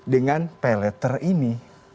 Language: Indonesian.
dengan pay later ini